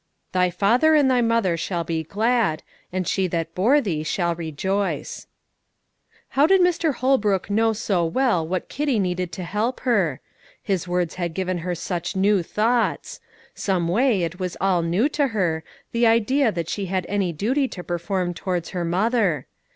"Thy father and thy mother shall be glad, and she that bore thee shall rejoice." How did Mr. Holbrook know so well what Kitty needed to help her? His words had given her such new thoughts; some way it was all new to her, the idea that she had any duty to perform towards her mother.